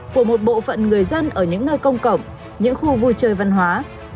của một bộ phận người dân ở những nơi công cộng những khu vui chơi văn hóa